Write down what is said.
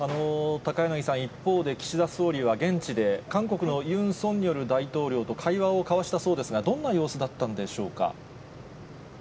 高柳さん、一方で岸田総理は、現地で韓国のユン・ソンニョル大統領と会話を交わしたそうですが、どんな様子だったんでしょうか。